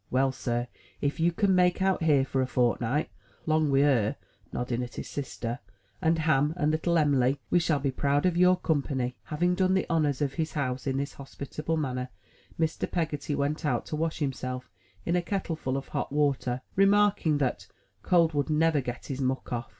"Well, Sir, if you can make out here, fur a fortnut, 'long wi' her," nodding at his sister, "and Ham, and little Em'ly, we shall be proud of your company." Having done the honors of his house in this hospitable manner, Mr. Peggotty went out to wash himself in a kettlefuU of hot water, remarking that "cold would never get his muck off."